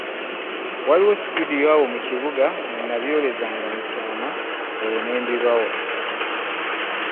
Waaliwo situudiyo awo mu kibuga mwe nabyolezanga mu kyama olwo ne mbibawa.